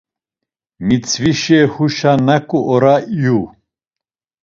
Mitzvişe huşa naǩu ora iyu?